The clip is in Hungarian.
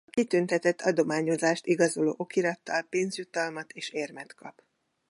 A kitüntetett adományozást igazoló okirattal pénzjutalmat és érmet kap.